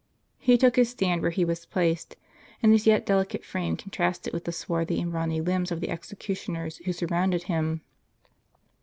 He took his stand where he was placed, and his yet delicate frame contrasted with the swarthy and brawny limbs of the executioners who sur rounded him.